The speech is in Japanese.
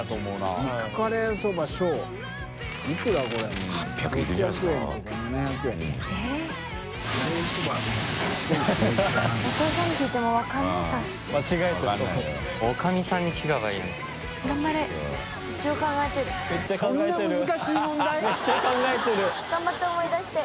王林）頑張って思い出して。